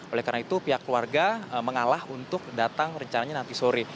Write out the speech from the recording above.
oleh karena itu pihak keluarga mengalah untuk datang rencananya nanti sore